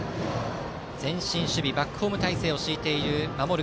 前進守備バックホーム態勢を敷いている守る